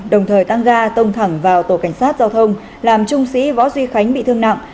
đồng thời tăng ga tông thẳng vào tổ cảnh sát giao thông làm trung sĩ võ duy khánh bị thương nặng